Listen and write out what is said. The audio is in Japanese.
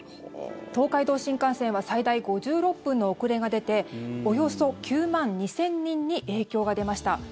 東海道新幹線は最大５６分の遅れが出ておよそ９万２０００人に影響が出ました。